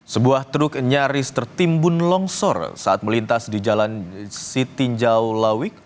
sebuah truk nyaris tertimbun longsor saat melintas di jalan sitinjau lawik